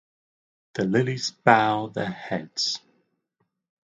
The lilies bow their heads.